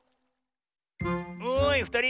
おいふたり。